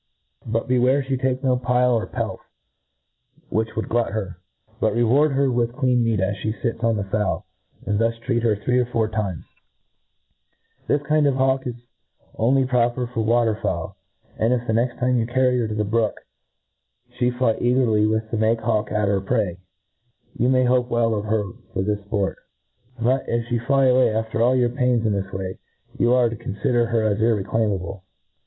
But beware fhe take no pile or pelf, which would glut her; but reward her with clean meat as Ihc fits on the fowl j and thus treat her three or four times. This i88 A T R E A T I S E O F This ^cind of hawk is only proper for water fowl } and, \^ the next time you carry her to the brook, fhe fly eagerly with the make hawk at he^ prey, you may hope well of her for this fport* But, if flic fly away after all your pains in this way, you are to confider her as irreclaimable.